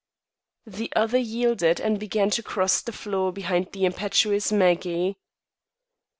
The other yielded and began to cross the floor behind the impetuous Maggie.